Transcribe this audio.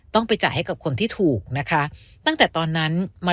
ต้องไปจ่ายให้กับคนที่ถูกนะคะตั้งแต่ตอนนั้นมา